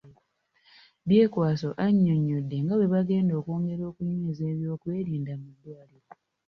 Byekwaso annyonnyodde nga bwe bagenda okwongera okunyweza ebyokwerinda mu ddwaliro.